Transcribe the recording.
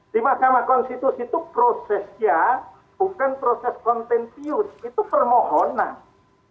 di mahkamah konstitusi itu prosesnya bukan proses kontentius itu permohonan